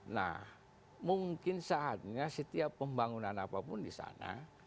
nah mungkin saatnya setiap pembangunan apapun di sana